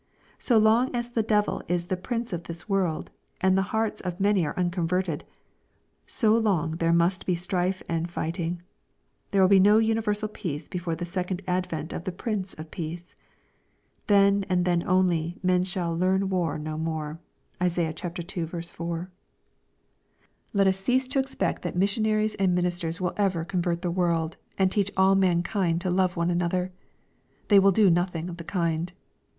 So long as the devil is the prince of this world, and the hearts of the many are unconverted, so long there must be strife and fighting. There will be no universal peace before the second advent of the Prince of peace. Then, and then only, men shall "learn war no more." (Isaiah ii. 4.) Let us cease to expect that missionaries and ministers will 16 862 BXPOSITORT THOUGHTS. ever convert the world, and teach all mankind to love one another. They will do nothing of the kind.